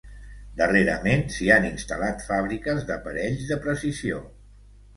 Darrerament s'hi han instal·lat fàbriques d'aparells de precisió.